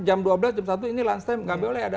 jam dua belas jam satu ini lunch time gak boleh ada